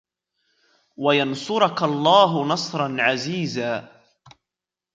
وَيَنْصُرَكَ اللَّهُ نَصْرًا عَزِيزًا